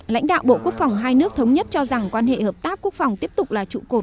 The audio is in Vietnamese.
lãnh đạo bộ quốc phòng hai nước thống nhất cho rằng quan hệ hợp tác quốc phòng tiếp tục là trụ cột